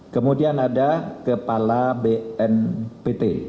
kemudian ada kepala bnpt